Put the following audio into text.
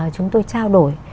chúng tôi trao đổi